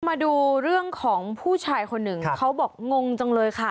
มาดูเรื่องของผู้ชายคนหนึ่งเขาบอกงงจังเลยค่ะ